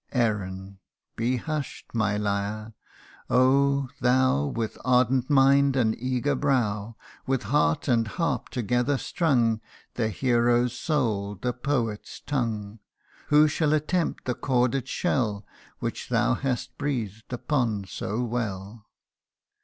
( 8 ) Erin ! be hush'd, my lyre ! Oh ! thou, With ardent mind and eager brow ; With heart and harp together strung, The hero's soul, the poet's tongue ; Who shall attempt the chorded shell Which thou hast breathed upon so well